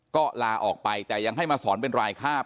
ก็ลาออกไปแต่ยังให้มาสอนเป็นรายคาบ